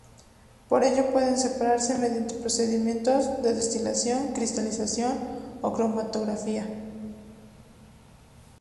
Por ello pueden separarse mediante procedimientos de destilación, cristalización o cromatografía.